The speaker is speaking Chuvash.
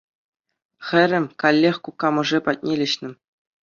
Хӗре каллех кукамӑшӗ патне леҫнӗ.